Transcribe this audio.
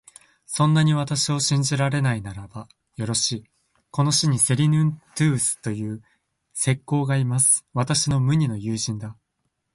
そんなに私を信じられないならば、よろしい、この市にセリヌンティウスという石工がいます。私の無二の友人だ。